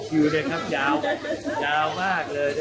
ก็เลยต้องมาต่อคิวยาวมากเลย